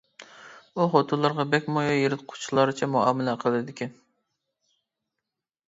ئۇ خوتۇنلىرىغا بەكمۇ يىرتقۇچلارچە مۇئامىلە قىلىدىكەن.